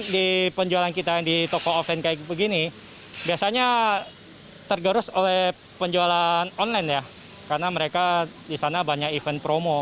di penjualan kita yang di toko offline kayak begini biasanya tergerus oleh penjualan online ya karena mereka di sana banyak event promo